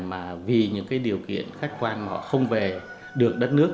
mà vì những điều kiện khách quan mà họ không về được đất nước